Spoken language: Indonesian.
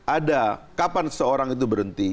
ada kapan seorang itu berhenti